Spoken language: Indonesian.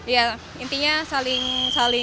ya intinya saling mencari